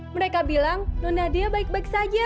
mereka bilang nona nadia baik baik saja